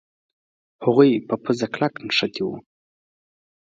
هغوی په پوزه کلک نښتي وو.